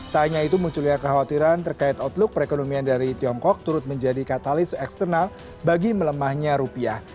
tak hanya itu munculnya kekhawatiran terkait outlook perekonomian dari tiongkok turut menjadi katalis eksternal bagi melemahnya rupiah